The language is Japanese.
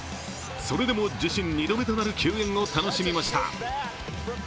それでも自身２度目となる球宴を楽しみました。